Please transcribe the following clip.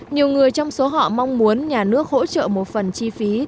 nhiều người trong số họ mong muốn nhà nước hỗ trợ một phần chi phí